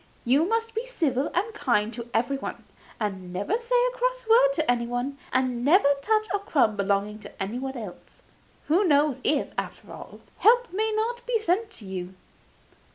You must be civil and kind to everyone, and never say a cross word to anyone, and never touch a crumb belonging to anyone else. Who knows if, after all, help may not be sent to you?